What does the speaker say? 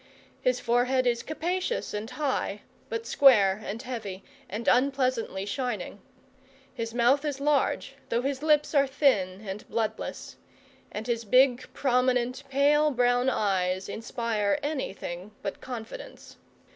His forehead is capacious and high, but square and heavy, and unpleasantly shining. His mouth is large, though his lips are thin and bloodless; and his big, prominent, pale brown eyes inspire anything but confidence.